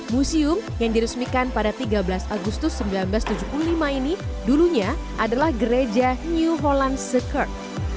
museum yang diresmikan pada tiga belas agustus seribu sembilan ratus tujuh puluh lima ini dulunya adalah gereja new holand sekert